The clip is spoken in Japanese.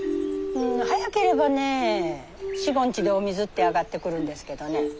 早ければね４５日でお水って上がってくるんですけどね。